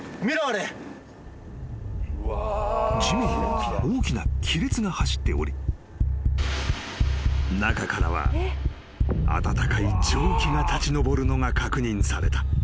［地面に大きな亀裂が走っており中からは温かい蒸気が立ち上るのが確認された］